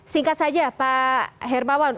singkat saja pak hermawan